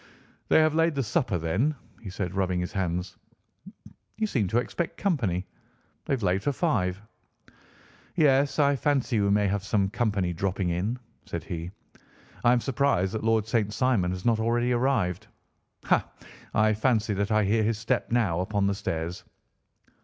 "They have laid the supper, then," he said, rubbing his hands. "You seem to expect company. They have laid for five." "Yes, I fancy we may have some company dropping in," said he. "I am surprised that Lord St. Simon has not already arrived. Ha! I fancy that I hear his step now upon the stairs."